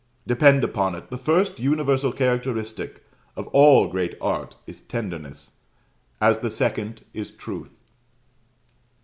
Depend upon it, the first universal characteristic of all great art is Tenderness, as the second is Truth.